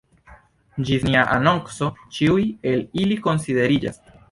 Ĝis nia anonco ĉiuj el ili konsideriĝas.